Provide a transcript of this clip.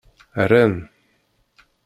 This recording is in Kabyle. Rran.